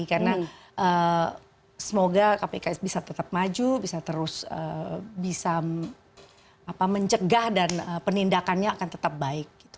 karena semoga kpk bisa tetap maju bisa terus bisa mencegah dan penindakannya akan tetap baik